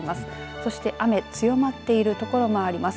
そして雨足の強まっている所もあります。